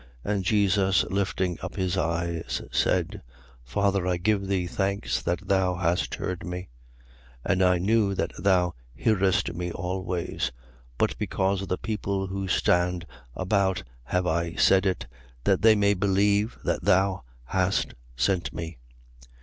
And Jesus lifting up his eyes, said: Father, I give thee thanks that thou hast heard me. 11:42. And I knew that thou hearest me always: but because of the people who stand about have I said it, that they may believe that thou hast sent me.